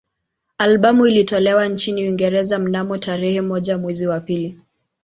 Albamu ilitolewa nchini Uingereza mnamo tarehe moja mwezi wa pili